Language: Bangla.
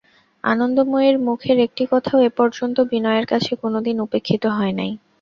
আনন্দময়ীর মুখের একটি কথাও এপর্যন্ত বিনয়ের কাছে কোনোদিন উপেক্ষিত হয় নাই।